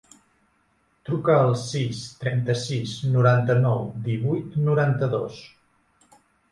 Truca al sis, trenta-sis, noranta-nou, divuit, noranta-dos.